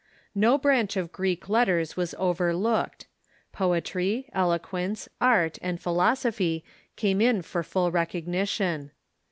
No branch of Greek letters was overlooked. Poetry, eloquence, art, and philosophy came in for full recog nition.